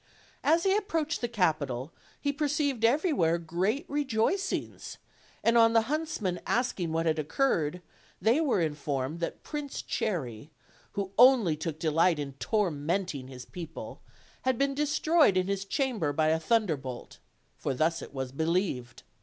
As he approached the capital he perceived everywhere great rejoicings; and on the huntsmen asking what had occurred, they were informed that Prince Cherry, who only took delight in tormenting his people, had been destroyed in his cham ber by a thunderbolt; for thus it was believed.